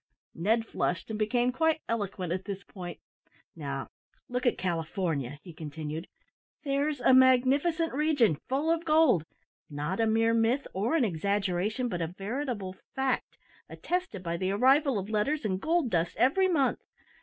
Ned flushed and became quite eloquent at this point. "Now, look at California," he continued; "there's a magnificent region, full of gold; not a mere myth, or an exaggeration, but a veritable fact, attested by the arrival of letters and gold dust every month.